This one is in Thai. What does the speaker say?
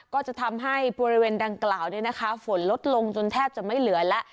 ก็จะทำให้บริเวณดังกล่าวฝนลดลงจนแทบจะไม่เหลือแล้ว